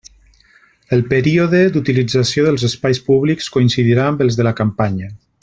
El període d'utilització dels espais públics coincidirà amb els de la campanya.